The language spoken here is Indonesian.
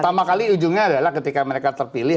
pertama kali ujungnya adalah ketika mereka terpilih